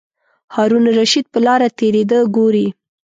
هارون الرشید په لاره تېرېده ګوري.